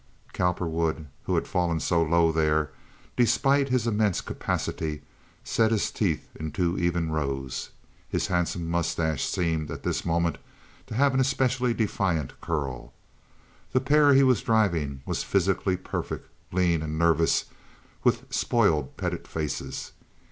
Cowperwood, who had fallen so low there, despite his immense capacity, set his teeth in two even rows. His handsome mustache seemed at this moment to have an especially defiant curl. The pair he was driving was physically perfect, lean and nervous, with spoiled, petted faces.